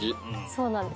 そうなんです。